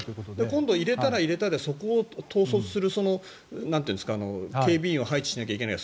今度は入れたら入れたでそこを統率する警備員を配置しなきゃいけない。